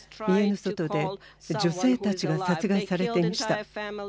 家の外で女性たちが殺害されていました。